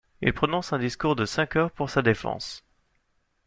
Il prononce un discours de cinq heures pour sa défense.